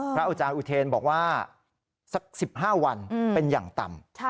อาจารย์อุเทนบอกว่าสัก๑๕วันเป็นอย่างต่ำ